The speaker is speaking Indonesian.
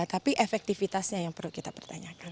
tapi efektivitasnya yang perlu kita pertanyakan